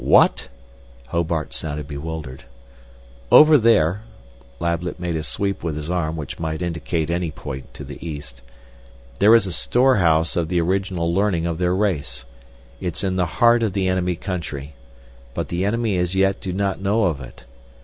"What?" Hobart sounded bewildered. "Over there" Lablet made a sweep with his arm which might indicate any point to the east "there is a storehouse of the original learning of their race. It's in the heart of the enemy country. But the enemy as yet do not know of it.